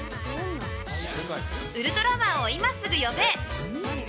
ウルトラマンを今すぐ呼べ！